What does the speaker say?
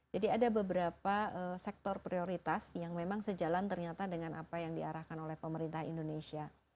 jadi ada beberapa sektor prioritas yang memang sejalan ternyata dengan apa yang diarahkan oleh pemerintah indonesia